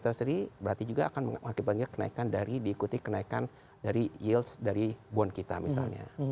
berarti juga akan mengakibatkan kenaikan dari diikuti kenaikan dari yield dari bond kita misalnya